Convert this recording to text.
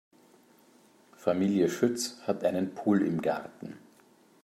Familie Schütz hat einen Pool im Garten.